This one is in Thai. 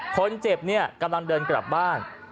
คนเจ็บกำลังเดินกลับบ้าน